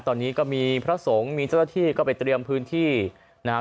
ตอนนี้ก็มีพระทรงมีเจ้าที่ก็ไปเตรียมพื้นที่นะฮะ